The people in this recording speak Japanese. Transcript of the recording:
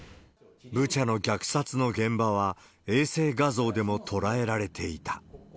ブチャの虐殺の現場は、衛星画像でも捉えられていた。